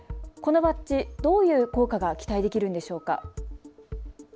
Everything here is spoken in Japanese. このバッジ、どういう効果が期待できるんでしょうか。